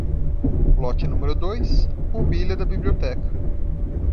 Lote número dois: mobília da biblioteca.